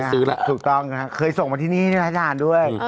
ถูกต้องนะครับเคยส่งมาที่นี่ให้ท่านด้วย